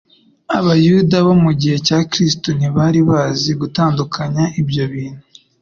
Abayuda bo mu gihe cya Kristo ntibari bazi gutandukanya ibyo bintu.